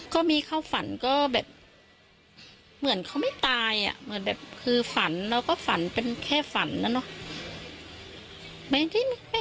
ก็มีเข้าฝันก็แบบเหมือนเขาไม่ตายอ่ะเหมือนแบบคือฝันเราก็ฝันเป็นแค่ฝันนะเนอะ